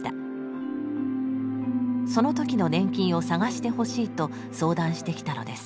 その時の年金を探してほしいと相談してきたのです。